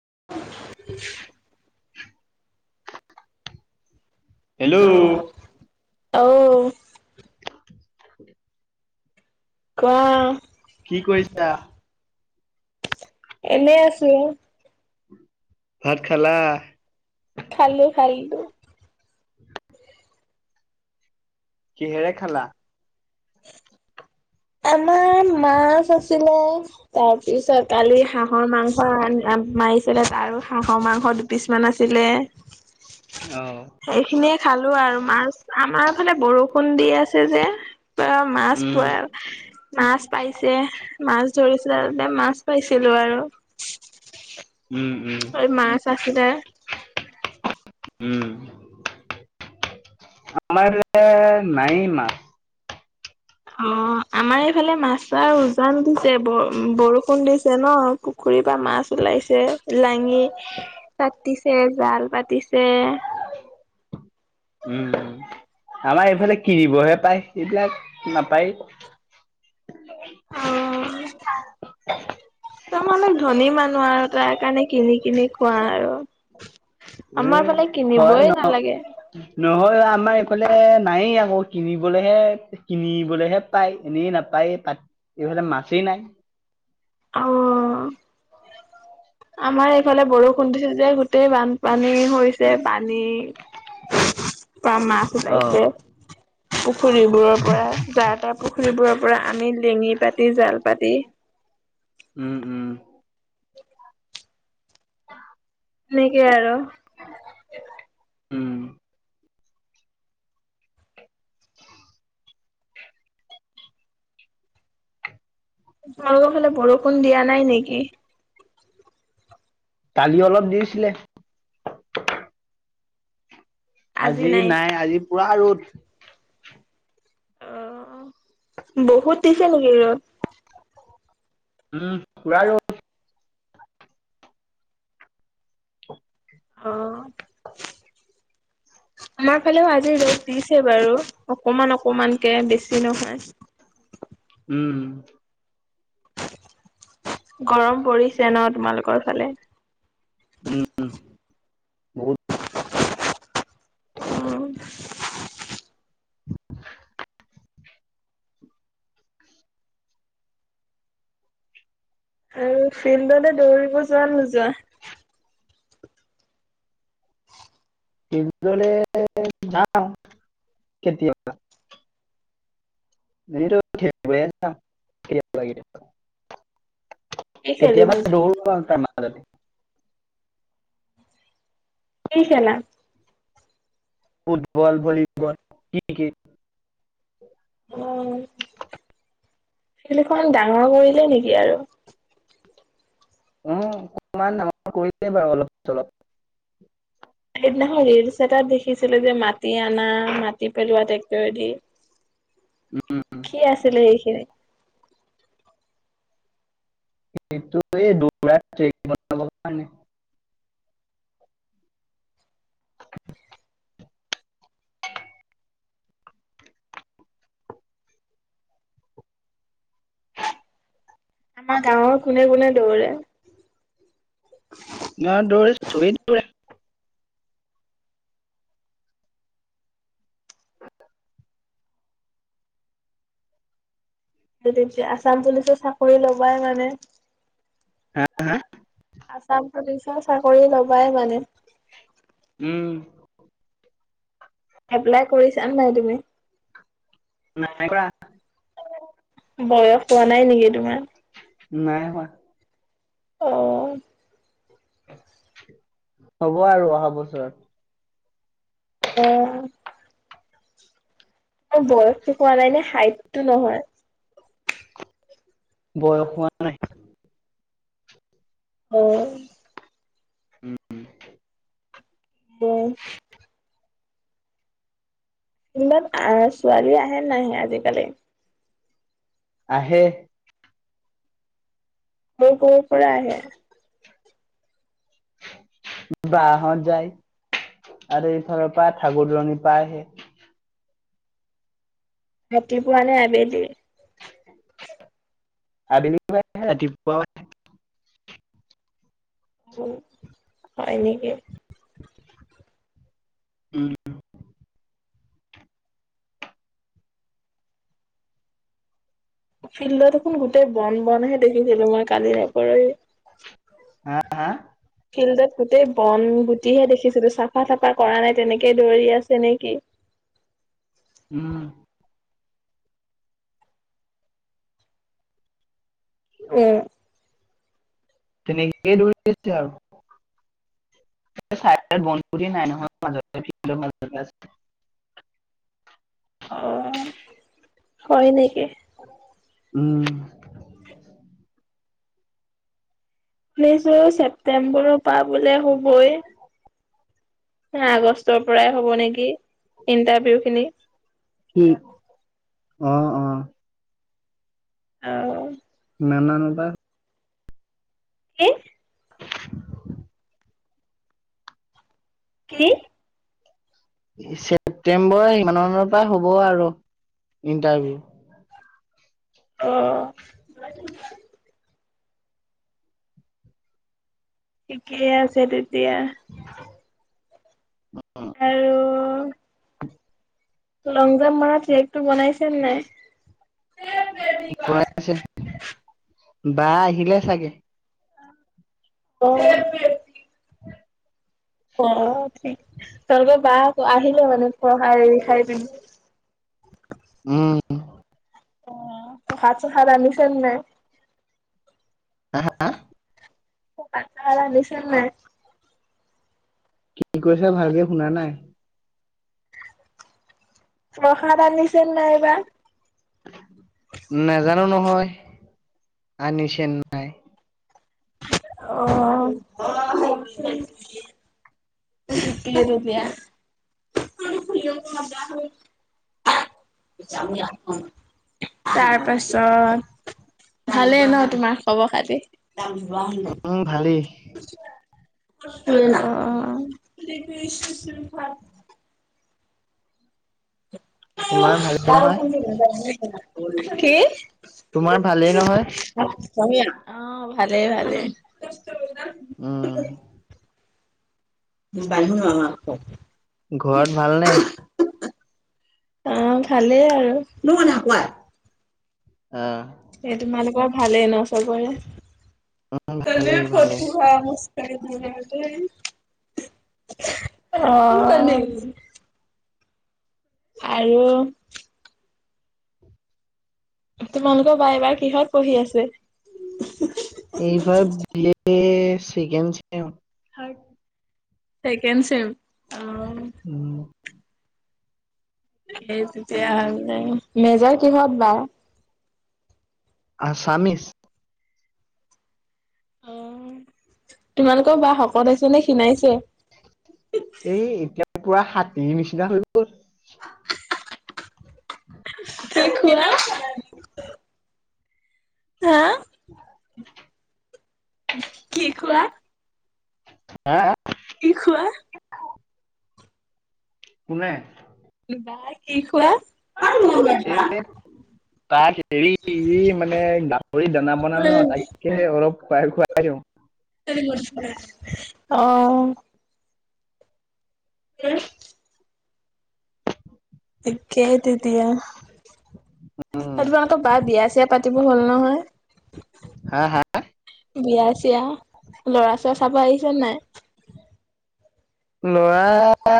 [inaudible] অঔ হেল্ল' কোৱা কি কৰিছা? [unintelligible] এনেই আছো ভাত খালা খালো খালো কিহেৰে খালা আমাৰ মাছ আছে ছিলে তাৰপিছত কালি হাঁহৰ মাংস মাৰিছিলে আৰু হাঁহৰ মাংস দুপিছ মান আছিলে অহ সেইখিনিয়ে খালো আৰু মাছ আমাৰফালে বৰষুণ দি আছে যে প মাছ উম, পোৱা মাছ পাইছে মাছ মাছ ধৰিছিলে, মাছ পাইছিলো আৰু উম, উম, অ মাছ আছিলে উম আমাৰ [inaudible] নাই মাছ অ' আমাৰ এইফালে মাছৰ উজান ব বৰষুণ দিছে ন পুখুৰীৰ পৰা মাছ ওলাইছে লাঙি পাতিছে, জাল পাতিছে। উম আমাৰ এইফালে কিনিবহে পায় এইবিলাক নাপায় অ ত মানে ধনী মানুহ আৰু তাৰ কাৰণে কিনি কিনি খোৱা আৰু এ আমাৰ ফালে হয় ন কিনিবই নালাগে নহয় [unintelligible] কিনিবলৈহে, কিনিবলেহে পায়, এনেই নাপায় তাত, এইফালে মাছেই নাই। অ' আমাৰ এইফালে বৰষুণ দিছে যে গো গোতেই বানপানী হৈছে পানী পৰা মাছ অ', ওলাইছে পুখুৰীবোৰৰ পৰা যাৰ তাৰ পুখুৰীবোৰৰ পৰা আমি লেঙি পাতি জাল পাতি উম-উম। সেনেকে আৰু। উম। [unintelligible] তোমালোকৰ ফালে বৰষুণ দিয়া নাই নেকি? কালি অলপ দিছিলে। আজি নাই আজি পুৰা ৰ'দ। অ', বহুত দিছে নেকি ৰ'দ? উম পুৰা ৰ'দ। অ', আমাৰ ফালেও আজি ৰ'দ দিছে বাৰু অকমান-অকমানকে বেছি নহয়। [inaudible] গৰম পৰিছে ন তোমালোকৰ ফালে। উম বহুত। উম। আৰু ফিল্ডতে দৌৰিব যোৱা নে নোযোৱা? ফিল্ডলে যাও কেতিয়াবা। এনেতো [unintelligible] কি খেলিব কেতিয়াবা দৌৰো তাৰ মাজতে। কি খেলা? ফুট বল ভলীবল কি [unintelligible] অঁ, ফিল্ডখন ডাঙৰ কৰিলে নেকি আৰু? উম, অকমান ডাঙৰ কৰিলে বাৰু অলপ চলপ। ছিলে যে মাটি আনা মাটি পেলোৱা ট্ৰেক্টৰেদি। উম, কি আছিলে সেইখিনি? এইটো এই দৌৰা ট্ৰেক বনাবৰ কাৰণে। আমাৰ গাৱঁৰ কোনে-কোনে দৌৰে? না দৌৰে চবে দৌৰে। তেতিয়া আছাম পুলিচ চাকৰি লবাই মানে? হা? আছাম আচাম পুলিচৰ চাকৰি লবাই মানে? উম। এপ্লাই কৰিছা নে নাই তুমি? নাই কৰা। বয়স যোৱা নাই নেকি তোমাৰ। নাই হোৱা। অ। হ'ব আৰু অহা বছৰত। অ। বয়সটো হোৱা নাই নে হাইট টো নহয়। বয়স হোৱা নাই। উ [unintelligible] অহ। উম। ব। ইমান আহ ছোৱালী আহে নাহে আজিকালি। আহে। ক'ৰ ক'ৰ পৰা আহে। বা হঁত যায়। আৰু এইফালৰ পৰা ঠাগু দূৰণী পৰা আহে। ৰাতিপুৱা নে আবেলি আবেলিও আহে ৰাতিপুৱাও আহে। উম হয় নেকি। উম ফিল্ডত দেখোন গোটেই বন বনহে দেখিছিলো মই কালি নে পৰহি হা হা ফিল্ডত গোটেই বন গুটিহে দেখিছিলো চাফা তাফা কৰা নাই তেনেকে দৌৰি আছে তেনে কি উম অহ তেনেকে দৌৰিছে আও এ চাইডলে বনগুটি নাই নহয় মাজতে [unintelligible] মাজতহে আছে অ হয় নেকি। উম শুনিছো ছেপ্টেম্বৰ পা। বোলে হ'বই। আগষ্টৰ পৰাই হ'ব নেকি ইন্টাৰভিউ খিনি। কি অ অ। অ ন ন বা কি কি ছেপ্টেম্বৰ সিমানমানৰ পৰা হ'ব আৰু ইণ্টাৰভিউ। অ হয় [unintelligible] ঠিকেই আছে তে এতিয়া আৰু লং জাম্প মাৰা ট্ৰেক টো বনাইছে নে নাই? বনাইছে বা আহিলে চাগে। [inaudible] অ' তোমালোকৰ বা আহিলে মানে, পঢ়াই লিখাই পিনি উম! অ' প্ৰসাদ সষাদ আনিছে নে নাই? প্ৰসাদ সষাদ আনিছে নে নাই? কি কৈছা, ভালকে শুনা নাই। প্ৰসাদ আনি চে নাই বা? নাজানো নহয় আনিছে নাই অ''। কি দুপিয়া [inaudible] তাৰ পাছত ভালেই ন তোমাৰ খবৰ খাতি? ও'ম উম ভালেই অ'অ'অ [inaudible] ভাত তোমাৰ [inaudible] ভালেই নহয় কি? তোমাৰ ভালেই নহয় অ'' ভালে, ভালে। [inaudible] উম [inaudible] অ'' ঘৰত ভালেই ভালনে আৰু ন ন কাই [unintelligible] অ'। এই তোমালোকৰ ভালেই ন' চবৰে? [inaudible] ভালেই ভালেই [inaudible] অ''। আৰু তোমালোকৰ বা এবাৰ কিহত পঢ়ি আছে? এইবাৰ BA second sem second sem অঁ সেই তেতিয়া হ'লে, মেজৰ কিহত বাৰ আচামিজ অঁ তোমালোকৰ বা শকত হৈছে নে ক্ষীণাইছে? এই এতিয়া পুৰা হাতীৰ নিচিনা হৈ গল [unintelligible] হা? [unintelligible] কি কোৱা হাঁ কি কোৱা কোনে বাই কি খোৱা অ'। এ তাক হেৰি মানে গাহৰি দানা বনা ন তাকে অলপ খাই খুৱাই দিওঁ অঁ [unintelligible] তাকেইটো এতিয়া, তোমালোকৰ বাৰ বিয়া চিয়া পাতিবৰ হ'ল নহয়। হা হা বিয়া চিয়া, ল'ৰা ছ'ৰা চাব আহিছে নাই ল'ৰা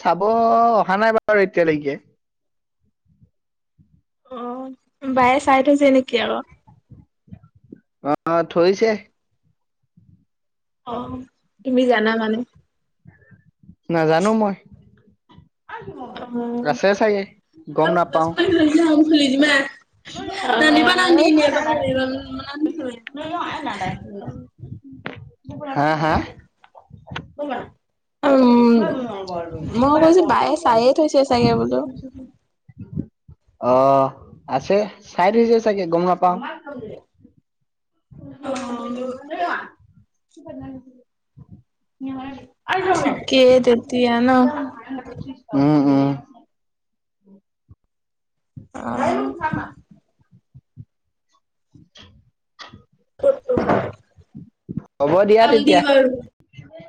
চাব অহা নাই বাৰু এতিয়ালৈকে অঁ বায়ে চাই থৈছে নেকি আকৌ অঁ থৈছে অঁ তুমি জানা মানে নাজানো মই আছে চাগে গম নাপাও [unintelligible] [unintelligible] [unintelligible] হাঁ হাঁ উম মই কৈছো বায়ে চায়ে থৈছে চাগে বোলো অঁ আছে, চাই থৈছে চাগে গম নাপাওঁ [unintelligible] [unintelligible] ঠিকেই তেতিয়া ন [unintelligible] উম উম অ নাই নাই খাম আৰু। [unintelligible] হ'ব দিয়া তেতিয়া। [unintelligible]